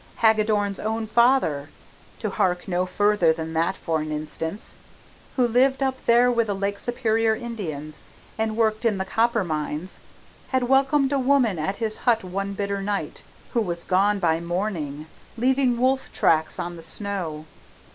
Hagadorn's own father to hark no further than that for an instance! who lived up there with the Lake Superior Indians, and worked in the copper mines, had welcomed a woman at his hut one bitter night, who was gone by morning, leaving wolf tracks on the snow!